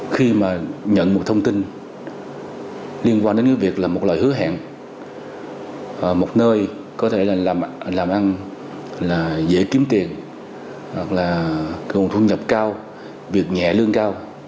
khi mà nhận một thông tin liên quan đến việc làm một loại hứa hẹn một nơi có thể làm ăn dễ kiếm tiền thu nhập cao việc nhẹ lương cao